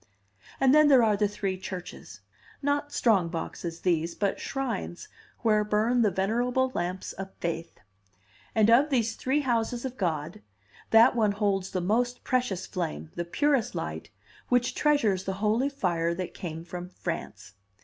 And then there are the three churches. Not strong boxes, these, but shrines, where burn the venerable lamps of faith. And of these three houses of God, that one holds the most precious flame, the purest light, which treasures the holy fire that came from France.